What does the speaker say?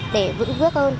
để vững vước hơn